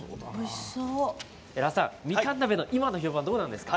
江良さん、みかん鍋の今の評判はどうなんですか？